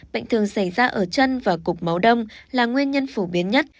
bệnh thường xảy ra ở chân và cục máu đông là nguyên nhân phổ biến nhất